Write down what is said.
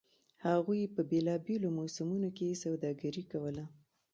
هغوی په بېلابېلو موسمونو کې سوداګري کوله